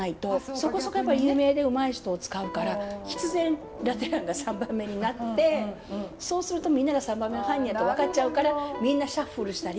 そこそこやっぱり有名でうまい人を使うから必然ラテ欄が３番目になってそうするとみんなが３番目が犯人やと分かっちゃうからみんなシャッフルしたり。